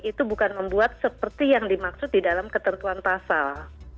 itu bukan membuat seperti yang dimaksud di dalam ketentuan pasal